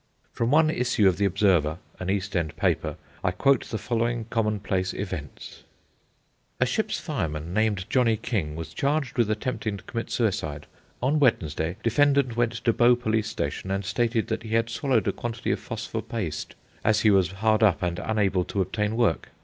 From one issue of the Observer, an East End paper, I quote the following commonplace events:— A ship's fireman, named Johnny King, was charged with attempting to commit suicide. On Wednesday defendant went to Bow Police Station and stated that he had swallowed a quantity of phosphor paste, as he was hard up and unable to obtain work.